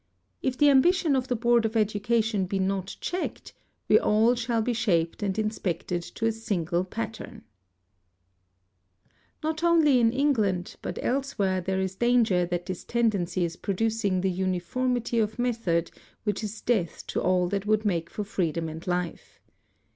... If the ambition of the Board of Education be not checked we shall all be shaped and inspected to a single pattern." Not only in England but el&where there is danger that this tendency is producing the uniformity of method which Digitized by Google Little Nations 219 is death to all that would make for freedom and life.